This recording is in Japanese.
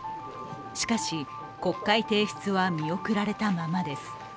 しかし、国会提出は見送られたままです。